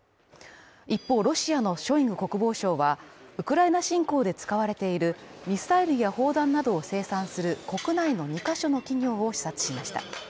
一方ロシアのショイグ国防相はウクライナ侵攻で使われているミサイルや砲弾などを生産する国内の２ヶ所の企業を視察しました。